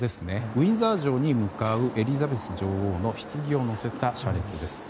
ウィンザー城に向かうエリザベス女王のひつぎを乗せた車列です。